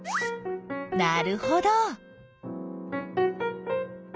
なるほど。